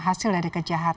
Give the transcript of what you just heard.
hasil dari kejahatan